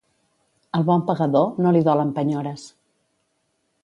Al bon pagador, no li dolen penyores.